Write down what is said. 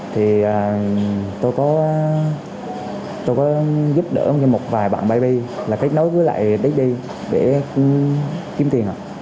tôi có giúp đỡ một vài bạn baby kết nối với lại daddy để kiếm tiền